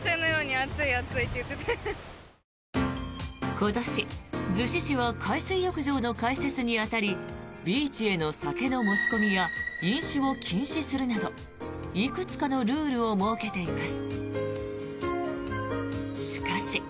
今年、逗子市は海水浴場の開設に当たりビーチへの酒の持ち込みや飲酒を禁止するなどいくつかのルールを設けています。